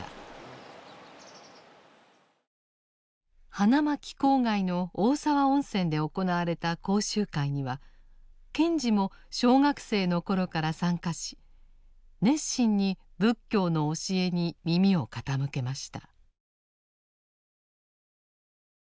花巻郊外の大沢温泉で行われた講習会には賢治も小学生の頃から参加し熱心に仏教の教えに耳を傾けました。